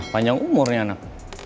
panjang umurnya anak